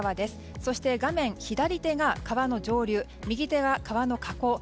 そして画面左手が川の上流右手が川の河口。